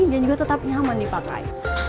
dan juga tetap nyaman dipakai